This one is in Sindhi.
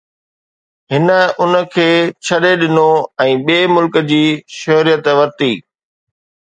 هن ان کي ڇڏي ڏنو ۽ ٻئي ملڪ جي شهريت ورتي